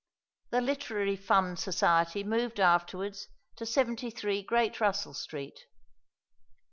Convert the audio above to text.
The Literary Fund Society moved afterwards to 73 Great Russell Street.